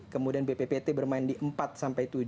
kemudian bppt bermain di empat sampai tujuh